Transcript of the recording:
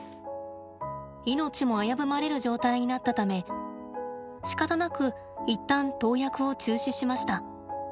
命も危ぶまれる状態になったためしかたなく一旦、投薬を中止しました。